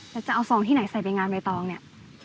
แล้วจะเอาซองที่ไหนใส่ไปงานดอกนี่